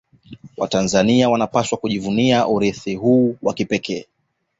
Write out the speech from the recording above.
watanzania wanapaswa kujivunia urithi huu wa kipekee